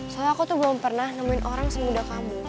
soalnya aku tuh belum pernah nemuin orang semudah kamu